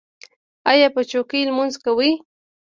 ایا په چوکۍ لمونځ کوئ؟